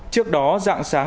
trước đó dạng sáng